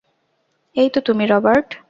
এই তো তুমি, রবার্ট।